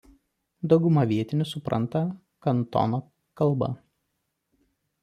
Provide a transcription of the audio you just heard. Dauguma vietinių supranta Kantono kalbą.